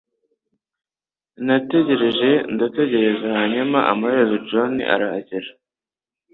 Nategereje ndategereza hanyuma amaherezo John arahagera.